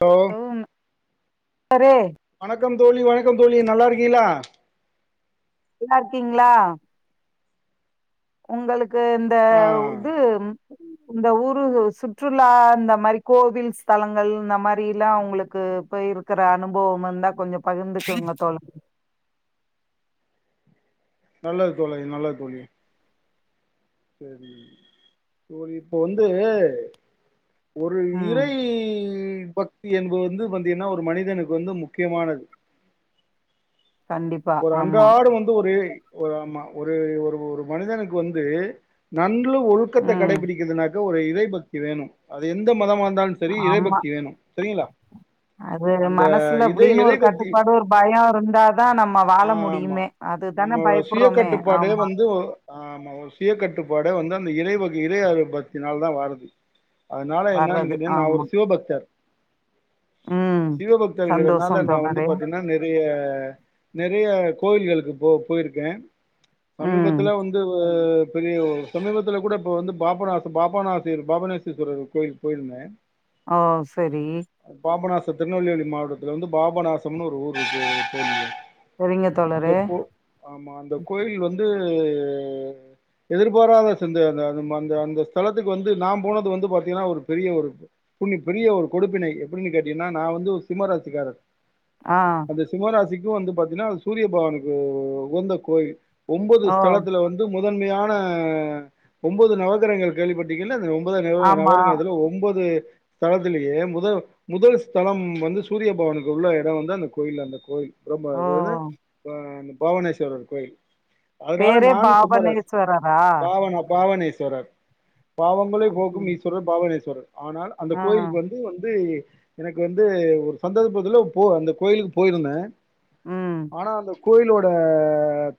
ஒ ம் அரே வணக்கம் தோழி வணக்கம் தோழி நல்லா இருக்கீங்களா நல்லா இருக்கீங்களா உங்களுக்கு இந்த ஆ இது இந்த ஊரு சுற்றுலா இந்த மாரி கோவில் ஸ்தலங்கள் இந்த மாரில்லா உங்களுக்கு போய் இருக்கிற அனுபவ இருந்தா கொஞ்சோ பகிர்ந்துக்கோங்க தோழி நல்லது தோழி நல்லது தோழி சேரி தோழி இப்போ வந்து ஒரு ம் இறை பக்தி என்பது வந்து பத்தீங்கன்னா ஒரு மனிதனுக்கு வந்து முக்கியமானது கண்டிப்பா ஒரு ஆமா அன்றாடு வந்து ஒரு ஒரு ஆமா ஒரு ஒரு ஒரு மனிதனுக்கு வந்து நல்ல ஒழுக்கத்தை ம் கடைபிடிக்கிறதுனக்க ஒரு இறை பக்தி வேணு அது எந்த மதமா இருந்தாலு சரி ஆமா இறைபக்தி வேணு சரிங்களா அது அந்த மனசுல இதய அப்டின்னு ஒரு இறைபக்தி கட்டுப்பாடு ஒரு பயோ இருந்த தா நம்ம வாழ ஆமா முடியுமே அதுதானே பயப்படுறோமே ஆமா ஆ ஆமா ஒரு சுயக்கட்டுப்பாடே வந்து அந்த இறைவகை இறையாறு பத்தி நால தா வாருது அதனால என்னன்னு வர்றது கேட்டிங்கனா நா ஒரு ஆமா சிவபக்தர் ம் சிவபக்தர் எங்கிறதுனால சந்தோஷம் நா வந்து தோழரே பாத்தீன்னா நெறைய நெறைய கோவில்களுக்கு போ போயிருக்கே ம் சமீபத்துல வந்து ந்து பெரிய சமீபத்துல கூட இப்ப வந்து பாபநாச பாபாநாசிர் பாபனேசீஸ்வரர் கோயிலுக்கு போயிருந்தே த ஓ செரி பாபநாச திருநெல்வேலி மாவட்டத்துல வந்து பாபநாசம்னு ஒரு ஊரு இருக்கு தோழி செரிங்க அந்த தோழரே கோ ஆமா அந்த கோயில் வந்து எதிர்பாராத சந்து அந்த அந்த ந்த ஸ்தலத்துக்கு வந்து நா போனது வந்து பாத்தீங்கன்னா ஒரு பெரிய ஒரு புண்ணி பெரிய ஒரு கொடுப்பினை எப்புடின்னு கேட்டீங்கன்னா நா வந்து ஒரு சிம்மராசிக்காரர் ஆ இந்த சிம்மராசிக்கு வந்து பாத்தீங்கன்னா சூரிய பவானுக்கு உகந்த கோயில் ஒன்பது ஓ ஸ்தலத்தில வந்து முதன்மையான ஒன்பது நவகரகங்கள் கேள்விப்பட்டிங்கள்ல அந்த ஒன்பது நருங்கல ஆமா நவகிரகோ இதுல ஒன்பது தலத்திலேயே முத முதல் ஸ்தலம் வந்து சூரிய பவனுக்கு உள்ள இடோ வந்து அந்த கோயில் அந்த கோயில் ரொம்ப அது வந்து பாவனேஸ்வரர் கோயில் அதனால நானு சிம்ம ராசி பாவன பாவனேஸ்வரர் பாவங்களை போக்கும் ஈஸ்வரர் பாவனேஸ்வரர் ஆனால் அந்த ஆ. கோயிலுக்கு வந்து வந்து எனக்கு வந்து ஒரு சந்தர்பத்துல போ அந்த கோயிலுக்கு போயிருந்தே ம். ஆனா அந்த கோயிலோட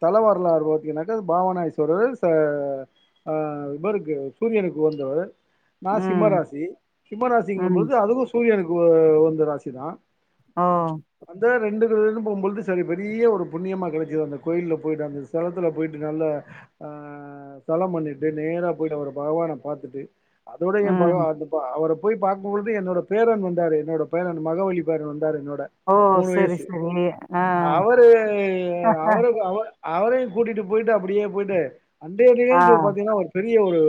தலைவரலாறு பத்தீங்கனாக்கா பாவநாயஸ்வரர் செ ஆ இவருக்கு சூரியனுக்கு உகந்தவரு நா சிம்ம ம். ராசி சிம்ம ராசிங்கு ம். போது அதுவு சூரியனுக்கு உ உகந்த ராசிதா ஓ அந்த ரெண்டு க பொ பொழுது செரி பெரிய ஒரு புண்ணியமா கிடைச்சது அந்த கோயில போயிட்டு அந்தஸலத்துல போயிட்டு நல்ல அ சலம் பண்ணிட்டு நேரா போயிட்டு அவர பகவான பாத்துட்டு அதோட என் ம். ப அவர போய் பாக்கு பொழுது என்னோட பேரன் வந்தாரு என்னோட பேரன் மகவழி பேரன் வந்தாரு என்னோட ஓ மூணு செரி வயசு செரி அவரு அவரு அவ அவரையு கூட்டிட்டு போயிட்டு அப்டியே போயிட்டு அன்றைய ஆ. நிகழ்வு பாத்தீங்கன்னா ஒரு பெரிய ஒரு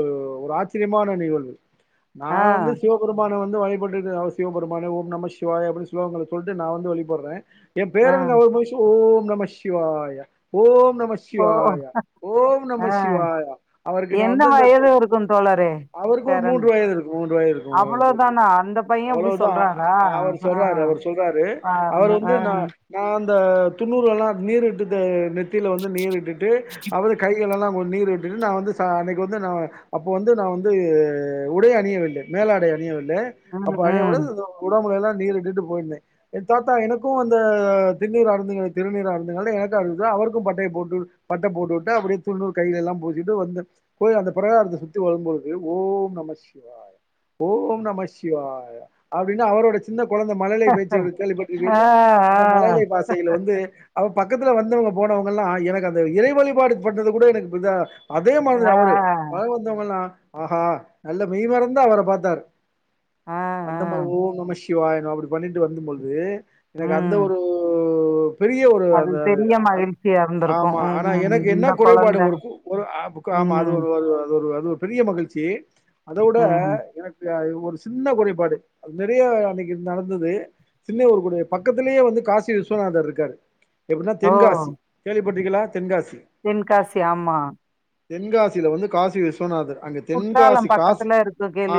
ஒரு ஆச்சரியமான நிகழ்வு நா ஆ. வந்து சிவ ஒருமான வந்து வழிபட்டு அவசிய பெருமானே ஒம்நமச்சிவாய அப்டி சுலோகங்கள சொல்ட்டு நா வந்து வழிபடுற எம் ஆ. பேரன்க அவ்ளோ போய்சு ஓம் நமச்சிவாய ஓம் நமச் ஓ! சிவாயா ஓம் ஆ. நமச்சிவாயா அவருக்கு நான் என்ன வந்துந்த த வயது இருக்கும் தோழரே? அவருக்கு ஒரு பேரனு. மூன்று வயது இருக்கு மூன்று வயது இருக்கு தோழி அவ்வளோதானா? அந்த பையன் இப்டி அவ்ளோதா சொல்றாரா? அவர் ஆ. சொல்றாரு அவர் சொல்றாரு பாருங்க. அவர் வந்து ஆ. நா நா அந்த துண்ணூறுல்லா நீர் இட்டுது நெ ற்றில வந்து நீர் இட்டுட்டு அவரு கைகளெல்லா நீர் இட்டுட்டு நா வந்து ச அன்றைக்கு வந்து நா அப்போ வந்து நா வந்து உடை அணியவில்ல மேலாடை அணியவில்ல ம். அப்ப அனியாட ம். உடாமலைய எல்லா நீர் இட்டுட்டு போயிருந்த என தாத்தா எனக்கு அந்த திண்ணூர் ஆருந்து திருநீர் ஆருந்துகள் எனக்கு அரு அவருக்கு பட்டைய போட்டு பட்டை போட்டுட்டு அப்டியே துண்ணூறு கைலல்லா பூசிட்டு வந்த போய் அந்த பிரகாரத்த சுத்தி வரும் பொழுது ஓம் நமச்சிவாயா ஓம் நமச்சிவாயா அப்டின்னு அவரோட சின்ன கொழந்தை மழலை பேச்சு கேள்வி ஆ, பட்டிருப்பீல அந்த ஆ. மழலை பாசையில் வந்து அவ பக்கத்தில வந்தவங்க போனவங்கல்லா எனக்கு அந்த இறை வழிபாடு பண்ணது கூட எனக்கு இதா அதே மாதிரி ஆ. அவரு பழ வந்தவங்களா ஆஹா நல்ல மெய் மறந்து அவர பாத்தாரு ஆ இந்த ம ஆ. ஓம்நமச்சிவாய அப்டி பண்ணிட்டு வந்த பொழுது எனக்கு அந்த ம். ஒரு பெரிய ஒரு அது அந்த பெரிய மகிழ்ச்சியா இருந்திருக்கும். ஆமா ம் ஆனா ம். எனக்கு என்ன இந்த குறைபாடு குழந்த ஒருக்கு ஒரு அ பு க ஆமா அது ம், அது பெரிய மகிழ்ச்சி அத விட ம். எனக்கு ஒரு சின்ன குறைபாடு அது நெறய அன்னைக்கு நடந்தது சின்ன ஒரு குறை பக்கத்திலயே வந்து காசி விஸ்வநாதர் இருக்காரு எப்டின்னா ஓ! தென்காசி கேள்விப்பட்ருக்கீகளா தென்காசி தென்காசி ஆமா தென்காசில வந்து காசி விஸ்வநாதர் அங்க தென்காசி குற்றாலம் காசி பக்கத்துல இருக்கு ஆ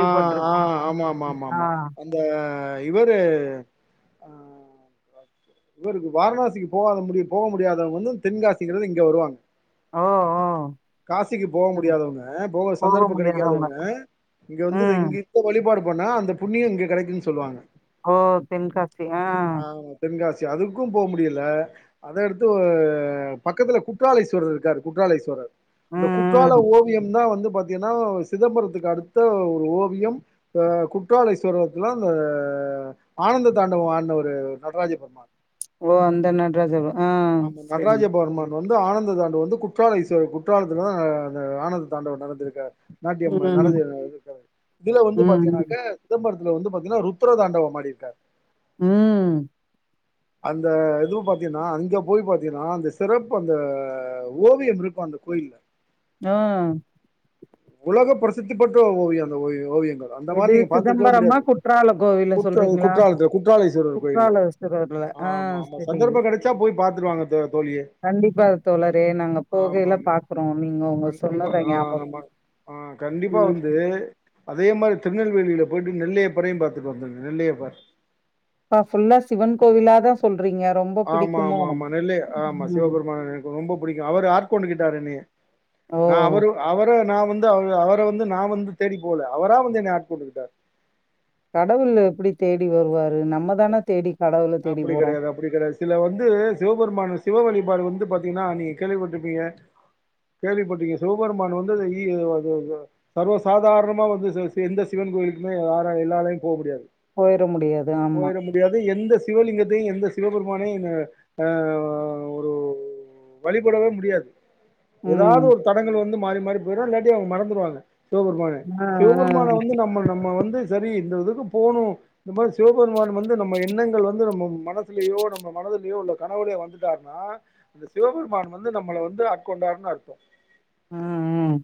ஆ ஆமா மா ஆ. மா இந்த இவரு இவருக்கு வாரணாசிக்கு போகாத முடி போக முடியாதவங்க வந்து தென்காசிங்கிறது இங்க வருவாங்க ஓ ஓ காசிக்கு போக ம். முடியாதவங்க போகிற போக சந்தர்ப்ப முடியாதவங்க. கெடைக்காதவங்க இங்க வந்து ம். தங்கி வழிபாடு பண்ணா அந்த புண்ணியம் இங்க கெடைக்குன் சொல்லுவாங்க ஓ தென்காசி ஆ ஆமா தென்காசி அதுக்கு போ முடியல அத அடுத்து பக்கத்துல குற்றாலைஸ்வரர் இருக்காரு குற்றாலைஸ்வரர் இந்த ம், குற்றால ம். ஓவியம்்தான் வந்து பாத்தீங்கன்னா சிதம்பரத்துக்கு அடுத்த ஒரு ஓவியம் இப்ப குற்றாலைஸ்வரத்துல அந்த ஆனந்த தாண்டவம் ஆட்ன ஒரு நடராஜபருமா ஓ அந்த நடராஜாவ ஆமா நடராஜ பர்மன் வந்து ஆனந்த தாண்டவ வந்து குற்றால ஈஸ்வர குற்றாலத்துலதா அந்த ஆனந்த தாண்டவ நடந்திருக்கு. நாட்டியம்மு ம், நடதேனு இருக்க இதுல வந்து ம், பாத்திங்கன்னாக்க ம், சிதம்பரத்துல வந்து பாத்திங்கனா ருத்ர தாண்டவம் ஆடிருக்கார். ம். அந்த இதுவு பாத்தீனா அங்க போய் பாத்தீனா அந்த சிறப்பு அந்த ஓவியம் இருக்கு அந்த கோயில்ல. அ. உலக பிரசித்திப்பெற்ற ஓவியோ அந்த ஓவிய ஓவியங்கள். அ அந்த மார் எது நீங்க பாத்துருக்கவே சிதம்பரமா, முடியாது குற்றால கோவில குற்ற குற்றாலத்துல குற்றால ஈஸ்வரர் கோயில்ல. பிற இதுல. ஆ ஆமா ஆமா சந்தர்ப்போ கெடைச்சா போய் பாத்துட்டுவாங்க தோ தோழியே. கண்டிப்பா தோழரே நாங்க ஆமா போகையில ஆமா பாக்குறோ நீங்க உங்க கண்டிப்பா சொன்னத ஆ, ஞாபகொ. ஆமா ஆ கண்டிப்பா வந்து அதே மாரி திருநெல்வேலில போயிட்டு நெல்லையப்பரையும் பாத்துட்டு வந்துருங்க நெல்லையப்பர். ப்பா ஃபுல்லா சிவன் கோவிலாதா ஸ் சொல்றீங்க ரொம்போ ஆமா ஆமா ஆமா நெல்லைய ஆமா சிவபெருமான் எனக்கு ரொம்போ புடிக்கு அவர் ஆட் கொண்டு கிட்டாரு என்னைய. ஓ நா அவரு அவர நா வந்து அவ அவர வந்து நா வந்து தேடி போல அவரா வந்து என்ன ஆட்கொண்டுக்கிட்டார். கடவுள் எப்பிடி தேடி வருவாரு நம்ம தான தேடி கடவுள தேடி போறோ. அப்டி கெடையாது சில வந்து சிவபெருமானு சிவ வழிபாடு வந்து பாத்தீங்கனா நீங்க கேள்விப்பட்ருப்பீங்க. கேள்விப்பட்ருகிங்க சிவபெருமான் வந்து அது இ அதுவு அது அது சர்வ சாதாரணமா வந்து சில சி எந்த சிவன் கோயிலுக்குமே யாரா எல்லாலயு போ முடியாது. போயிற முடியா போயிற முடியா து எந்த சிவலிங்கத்தையு எந்த சிவபெருமானையு ந அ ஒரு வழிபடவே முடியாது எதாவது ம் ஒரு தடங்கள் வந்து மாறி மாறி போயிரு இல்லாட்டி அவுங்க மறந்துருவாங்க. சிவபெருமான ஆ சிவபெருமான வந்து நம்ம நம்ம வந்து சரி இந்த இதுக்கு போணு இந்த மாரி சிவ பெருமான் வந்து நம்ம எண்ணங்கள் வந்து நம்ம மனசுலியோ நம்ம மனதிலியோ உள்ள கனவுலியோ வந்துட்டார்னா இந்த சிவபெருமான் வந்து நம்மள வந்து ஆட்கொண்டார்னு அர்த்தோ. ம் ம்.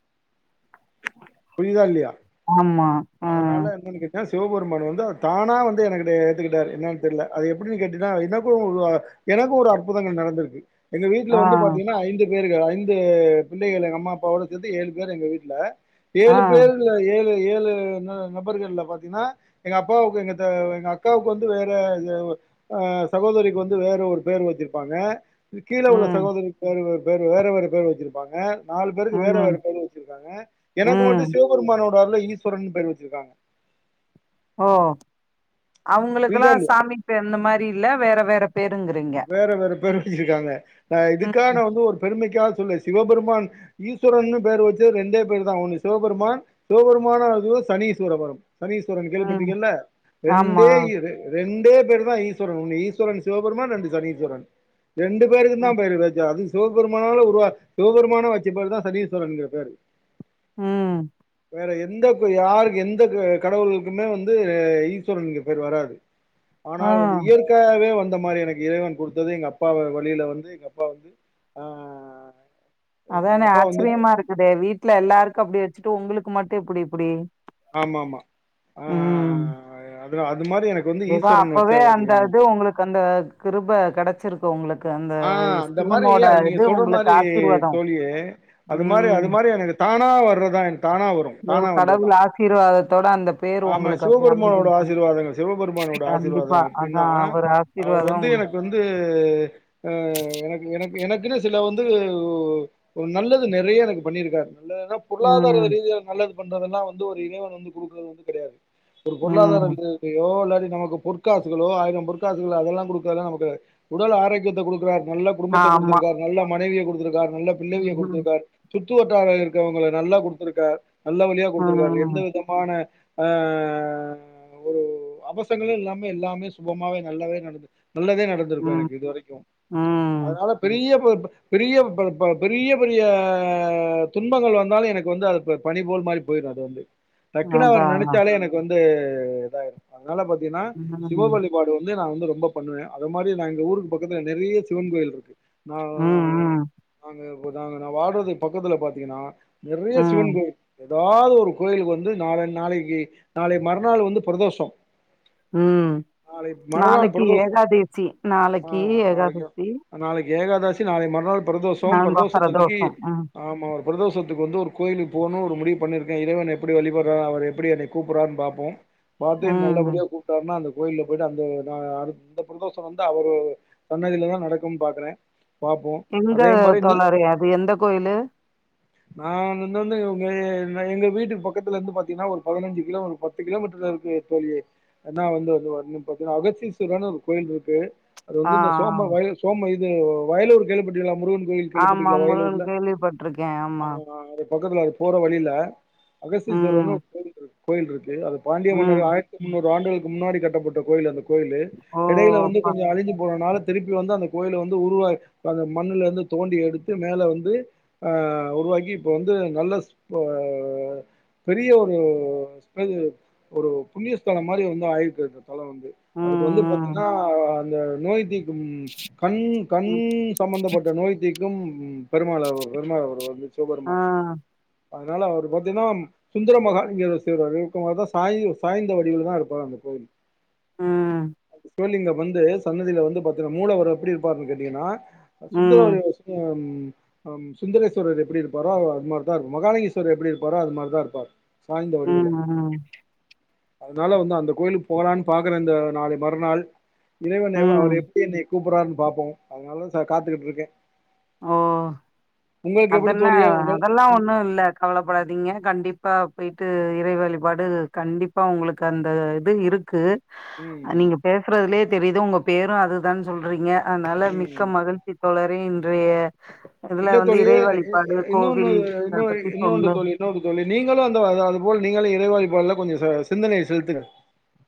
புரிதா இல்லியா. ஆமா ஆ அதுனால அண்ணனுக்கு அ சிவபெருமானு வந்து அ தானா வந்து என கிட்டே ஏத்துக்கிட்டாரு என்னான் தெர்ல அது எப்பிடினு கேட்டீனா எனக்கு உள்ள எனக்கு ஒரு அற்புதங்கள் நடந்திருக்கு. எங்க வீட்ல ஆ வந்து பாத்தீங்கனா ஐந்து பேர்கள் ஐந்து பிள்ளைகள் எங்க அம்மா அப்பாவோடு சேத்து ஏழு பேர் எங்க வீட்ல. ஆ ஏழு பேர்ல ஏழு ஏழு ந நபர்கள்ல பாத்தினா எங்க அப்பாவுக்கு எங்கத்த எங்க அக்காவுக்கு வந்து வேற இதவு அ சகோதரிக்கு வந்து வேற ஒரு பேர் வெச்சிருப்பாங்க. இது கீழ உள்ள ம் சகோதரிக் வேற வேற பேரு வேற வேற பேரு வெச்சிருப்பாங்க. நாலு பேருக்கு வேற வேற ம் பேரு வெச்சிருக்காங்க எனக்கு மட்டு ம் சிவபெருமானோட அருள்ல ஈஸ்வரன்னு பேரு வெச்சிருக்காங்க. ஓ அவுங்களுக்கெல்லா புரியுதா இல்லையா சாமிப்பே இந்த மாரி இல்ல வேற வேற பேருங்றீங்க. வேற வேற பேரு வெச்சிருக்காங்க. அ இதுக்கா ம் நா வந்து ஒரு பெருமைக்காவ சொல்ல சிவபெருமான் ஈஸ்வரன்னு பேர் வெச்சது ரெண்டே பேரு தா ஒன்னு சிவபெருமான் சிவபெருமான அது சனீஸ்வரபரம் சனீஸ்வரன் ம் கேள்விப்பட்ருக்கியல்ல ஆமா ரெண்டே இரு ரெண்டே பேர் தா ஈஸ்வரன் ஒன்னு ஈஸ்வரன் சிவபெருமான் ரண்டு சனீஸ்வரன் ரெண்டு பேருக்குந்தா ம் பேரு வெச்சா அது சிவபெருமானால உருவா சிவபெருமானா வெச்ச பேருதா சனீஸ்வரன்ங்கிற பேரு. ம் வேற எந்தப்பு யாருக்கு எந்த க கடவுளுக்குமே வந்து ஈஸ்வரன்னுங்குற பேரு வராது ஆனாலு வந்து ம். இயற்கையாகவே வந்த மாரி எனக் இறைவன் கொடுத்தது எங்க அப்பா வ வழியில வந்து எங்க அப்பா வந்து ஆ எங்க அதானே அப்பா வந்து ஆச்சுரியமா இருக்குதே வீட்டுல ஆ எல்லாருக்கு அப்டி வச்சுட்டு உங்களுக்கு மட்டு எப்புடி இப்புடி ஆமா ஆமா ஆ அ அது மாரி எனக்கு வந்து எதோ ஈஸ்வரன் வச்ச அப்பவே அந்த வச்சிருக்காங்க இது இப்ப உங்களுக்கு அந்த கிருப்ப கெடச் வச்சிருக்கு உங்களுக்கு அந்த ஆ அந்த மாரி சிவனோட அது நீங்க இது சொல்ற உங்களுக்கு மாரி ஆசிர்வாதோ தோழி அது மாரி அது மாரி எனக்கு தானா வர்றதா எனக்கு தானா வரும் ஏதோ தானா வந்து கடவுள் ஆசீர்வாதத்தோட அந்த பேரு ஆமா உங்களுக்கு அப்டி சிவபெருமானோட அமைஞ்சிருக்கு. ஆசீர்வாதங்கள் சிவபெருமானோட ஆசிர்வாதோ கண்டிப்பா. அப்டின்னா அதான் அவரு அவரு ஆசீர்வாதம் வந்து உங்களுக்கு. எனக்கு வந்து ந்து அ அ எனக்கு எனக்கு எனக்குன்னு சில வந்து ஒரு நல்லது நெறையா எனக்கு பண்ணிருக்காரு நல்லதுனா பொருளாதார ம். ரீதியா நல்லது பண்றதெல்லா வந்து ஒரு இறைவன் வந்து குடுக்குறது வந்து கெடையாது ஒரு பொருளாதார ம். இது ப்ப யோகோ இல்லாட்டி நமக்கு பொற்காசுகளோ ஆயிரோ பொற்காசுகளோ அதெல்லா குடுக்காதா நமக்கு உடல் ஆரோக்கியத்த குடுக்குறார் நல்ல குடும்பத்த ஆமா. குடுத்துருக்கார் நல்ல மனைவியை குடுத்துருக்கார் நல்ல பிள்ளைவிய ம்ஹ்ம். குடுத்துருக்கார் சுற்றுவட்டார இருக்குறவங்களை நல்லா குடுத்துருக்கார் நல்ல வழியா குடுத்துருக்காரு எந்த ம். விதமான அ அ அ அ ஒரு அவசங்களு இல்லாம எல்லாமே சுபமாவே நல்லாவே நடந்து நல்லதே நடந்து ந்துருக்கு ம். எனக்கு இது வரைக்கும் ம். அதுனால பெரிய பெரிய பல பல பெரிய பெரிய துன்பங்கள் வந்தாலு எனக்கு வந்து அது ப பணி போல் மாரி போயிரு அது வந்து டக்குனு அவர அதான் அதான். நெனச்சாலே எனக்கு வந்து இதாயிடும் அதுனால பாத்தீயன்னா ம். சிவோபள்ளி பாடு வந்து நா வந்து ரொம்ப பண்ணுவே அது மாதிரி நா எங்க ஊருக்கு பக்கத்துல நெறைய சிவன் கோயில் இருக்கு நா நானு ம். நாங்க பு தாங்க நா வாட்றது பக்கத்துல பாத்தீங்கன்னா ம். நெறையா சிவன் ம். கோயில் எதாவது ஒரு கோயிலுக்கு வந்து நாளை நாளைக்கி நாளை மறுநாள் வந்து ப்ரதோஷோ ம் மறுநாள் நாளைக்கு பிரதோஷ் ஏகாதசி நாளைக்கி ஏகாதசி நாளைக்கி ஏகாதாசி நாளை மறுநாள் பிரதோஷம் நம்ப பிரதோஷத்து அன்னக்கி பிரதோஷம் ம் ஆமா ஒரு பிரதோஷத்துக்கு வந்து ஒரு கோயிலுக்கு போணு ஒரு முடிவு பண்ணிருக்கே இறைவ எப்புடி வழிபட்றா அவரு எப்புடி என்னைய கூப்புறான்னு பாப்போம் பாத்து ம் நல்லபடியா கூப் டாருனா அந்த கோயல்ல பொயிட்டு அந்த நா அடுத்த பிரதோஷோ வந்து அவரு சன்னதிலதா நடக்கும் பாக்குறே பாப்போ எங்க அதே மாரி தோழறே அது எந்த கோயிலு நா அந்தந்த வந்து உங்கயே வ எங்க வீட்டு பக்கத்துல இருந்து பாத்தீங்கன்னா ஒரு பதுனஞ்சு கில ஒரு பத்து கிலோமீட்டர்ல இருக்கு தோழியே ஏனா வந்து அது வந்து பாத்தீங்கன்னா அகத்தீஸ்வரர்னு ஒரு கோயில் இருக்கு அது ஆ வந்து இந்த சோம ஆ வய சோம இது வயலூர் கேள்விபட்ருக்கிங்களா முருகன் கோயில் ஆமா கேள்விப்பட்டிருக்கீங்களா முருகன் வயலூர்ல கேள்விப்பட்டிருக்கே ஆமா அதுனா அதுக்கு பக்கத்துல அது போற வழில அகஸ்சீஸ்வரர்னு ம் ஒரு கோயில்ருக்கு கோயில்ருக்கு அது பாண்டிய மன்னரு ம் ஆயிரத் முன்னூறு ஆண்டுகளுக்கு முன்னாடி கட்டப்பட்ட கோயில் அந்த கோயிலு ஓ எடையில வந்து அப்பா கொஞ்ச அழிஞ்சு போனனால திருப்பி வந்து அந்த கோயில வந்து உருவாக் அந்த மண்ணுல இருந்து தோண்டி எடுத்து மேல வந்து ஆ உருவாக்கி இப்ப வந்து நல்ல ப பெரிய ஒரு ப்றகு ஒரு புண்ணியஸ்தலம் மாரி வந்து ஆயிருக்கு அது தொல வந்து அதுக்கு வந்து ம் பாத்தீங்கனா அந்த நோய்த் தீக்கும் கண் கண் ம் ம் சம்பந்தப்பட்ட நோய்த்திக்கும் பெருமாள் அவர் பெருமாள் அவர் வந்து ஆ சிவபெருமான் அதனால அவர் பாத்தீனா சுந்தர மகாலிங்கேஷ் தேர் [unintelligible] அதா சாய்வு சாய்ந்த வடிவுல தா இருப்பார் அந்த கோயில் ம் சிவலிங்கர் வந்து சன்னதியில வந்து பாத்தீனா மூலவர் எப்படி இருப்பாருன்னு கேட்டீங்கன்னா அ ம் சுந்தரவடிவஸ் அம் ஹம் சுந்தரேஸ்வரர் எப்படி இருப்பாரோ அவர் அது மார்தா இருக்கு மகாலிங்கேஸ்வரர் எப்படி இருப்பாரோ அது மாரிதா இருப்பார் சாயந் இதுல ம் அதனால வந்து அந்த கோயிலுக்கு போலான்னு பாக்குற இந்த நாளை மறுநாள் இறைவன் ம் எவ்வோ அவர் ம் எப்பேந்தி கூப்புறாருன்னு பாப்போ அதனால சார் காத்துக்கிட்ருக்கே ஓ அதன தோழியே உங்கள் அதெல்லா ம் ஒண்ணு இல்லக் கவலப்படாதீங்க கண்டிப்பாக போயி்டு இறை வழிபாடு கண்டிப்பா உங்களுக்கு அந்த இது இருக்கு ம் நீங்க பேசுறதுலயே தெரியிது உங்க பேரு அதுதா சொல்றீங்க அதனால ம் மிக்க மகிழ்ச்சித் தோழரே இன்றைய இல்ல வந்து தோழியே இறை வழிபாடு [unintelligible] இன்னொன்னு கோவில் இத இன்னொ பத்தி இன்னொன்டு சொன்ன தோழி [unintelligible] தோழி நீங்களு அந்த அது அது போல நீங்களு இறைவழிபாடுல கொஞ்ச ச சிந்தனைைய செலுத்துங்க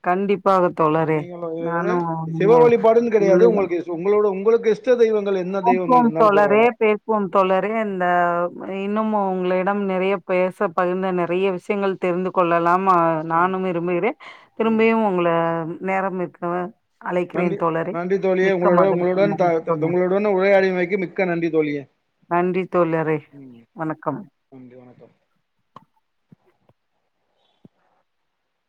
கண்டிப்பாக தோழரே நீங்களு இதுவது நானு சிவ வழிபாடுன்னு கெடையாது [unintelligible] உங்களுக்கு உங்களோட உங்களுக்கு இஷ்ட தெய்வங்கள் எத் [unintelligible] ம் தோழரே பேஸ் போம் தோழரே இந்த இன்னு உங்களிடம் நெறைய பேச பகிர்ந்த நெறைய விஷயங்கள் தெரிந்து கொள்ளலாம் அ ம் நானும் விரும்புகிறேன் ம் திரும்பியு உங்கள நேரம் இருக்கவ நன்றி நன்றி தோழியே உங்களோட மகிழ்ச்சி நன்றி தோழர் உங்களுடன் [unintelligible] உரையாடிமைக்கு மிக்க நன்றி தோழியே நன்றி தோழரே ம் வணக்கம் நன்றி வணக்கம்